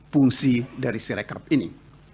fungsi dari si rekab ini